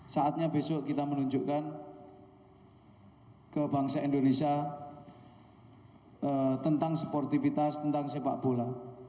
saatnya besok kita menunjukkan ke bangsa indonesia tentang sportivitas tentang sepak bola